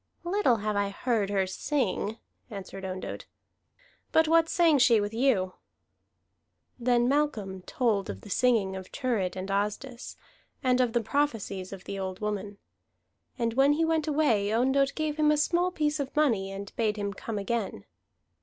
"Little have I heard her sing," answered Ondott. "But what sang she with you?" Then Malcolm told of the singing of Thurid and Asdis, and of the prophecies of the old woman. And when he went away, Ondott gave him a small piece of money and bade him come again.